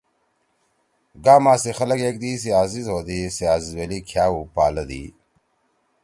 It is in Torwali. گاما سی خلگ ایک دی سی عزیز ہودی سے عزیز ویلی کھأو پالدی۔